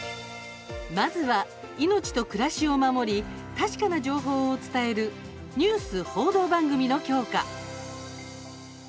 まずは命と暮らしを守り確かな情報を伝えるニュース・報道番組の強化。